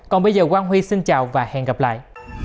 còn bây giờ quang huy xin chào và hẹn gặp lại